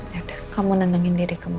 ya udah kamu nandangin diri kamu